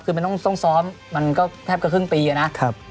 คือมันต้องซ้อมมันก็แทบกับครึ่งปีอะนะ